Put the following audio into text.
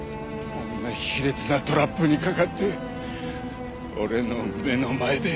あんな卑劣なトラップにかかって俺の目の前で。